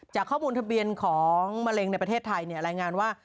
จากข้อมูลทะเบียนของมะเร็งในประเทศไทยรายงานว่า